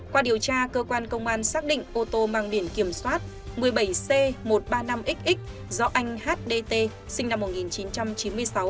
qua điều tra cơ quan công an xác định ô tô mang biển kiểm soát một mươi bảy c một trăm ba mươi năm x do anh hdt sinh năm một nghìn chín trăm chín mươi sáu